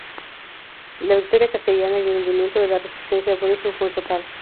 La victoria castellana y el hundimiento de la resistencia aborigen fue total.